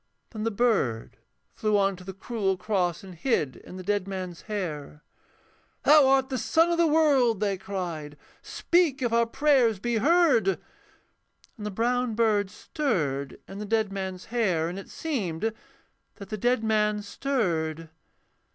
Then the bird flew on to the cruel cross, And hid in the dead man's hair. 'Thou art the sun of the world,' they cried, 'Speak if our prayers be heard.' And the brown bird stirred in the dead man's hair, And it seemed that the dead man stirred.